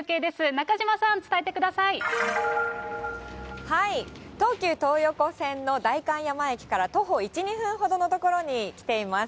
中島さん、東急東横線の代官山駅から徒歩１、２分ほどの所に来ています。